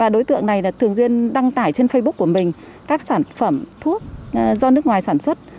đối tượng này thường xuyên đăng tải trên facebook của mình các sản phẩm thuốc do nước ngoài sản xuất